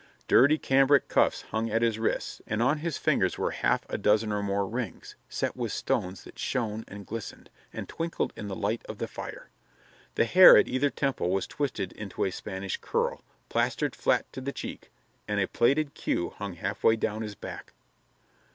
Dirty cambric cuffs hung at his wrists and on his fingers were half a dozen and more rings, set with stones that shone, and glistened, and twinkled in the light of the fire. The hair at either temple was twisted into a Spanish curl, plastered flat to the cheek, and a plaited queue hung halfway down his back.